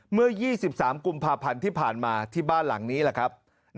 เมื่อ๒๓กุมภาพันธ์ที่ผ่านมาที่บ้านหลังนี้แหละครับ